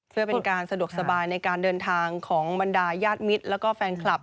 เพื่อเป็นการสะดวกสบายในการเดินทางของบรรดายาดมิตรแล้วก็แฟนคลับ